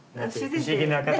不思議な形。